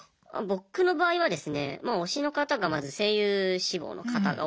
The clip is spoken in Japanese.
僕の場合はですね推しの方がまず声優志望の方が多い。